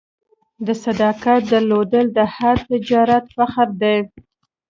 د صداقت درلودل د هر تجارت فخر دی.